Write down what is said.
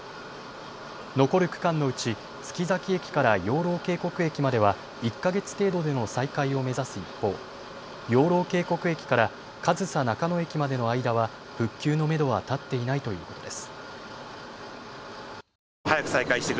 残る区間のうち月崎駅から養老渓谷駅までは１か月程度での再開を目指す一方、養老渓谷駅から上総中野駅までの間は復旧のめどは立っていないということです。